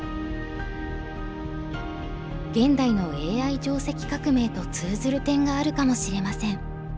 現代のＡＩ定石革命と通ずる点があるかもしれません。